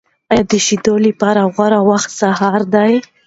آیا د شیدو لپاره غوره وخت سهار دی؟